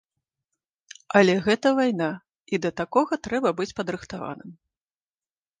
Але гэта вайна, і да такога трэба быць падрыхтаваным.